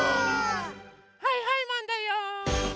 はいはいマンだよ！